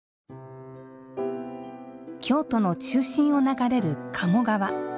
京都の中心を流れる鴨川。